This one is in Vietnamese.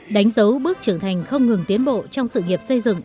đánh dấu bước trưởng thành không ngừng tiến bộ trong sự nghiệp xây dựng